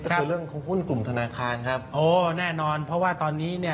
ก็คือเรื่องของหุ้นกลุ่มธนาคารครับโอ้แน่นอนเพราะว่าตอนนี้เนี่ย